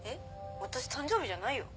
私誕生日じゃないよ」